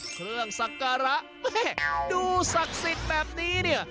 เครื่องสักการะดูศักดิ์สิทธิ์แบบนี้เนี่ย